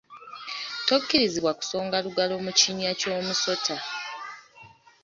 Tokkirizibwa kusonga lugalo mu kinnya ky’omusota.